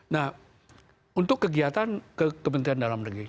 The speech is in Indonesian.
nah untuk kegiatan ke kementerian dalam negeri